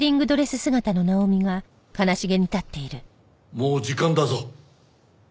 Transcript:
もう時間だぞ。